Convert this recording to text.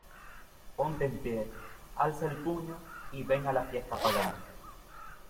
Ponte en pie, alza el puño y ven a la fiesta pagana.